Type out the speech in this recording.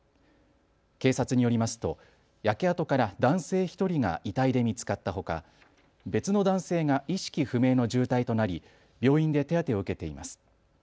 警察によりますと焼け跡から男性１人が遺体で見つかったほか別の男性が意識不明の重体となり病院で手当てを受けています。